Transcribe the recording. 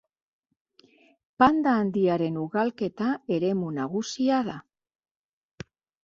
Panda handiaren ugalketa eremu nagusia da.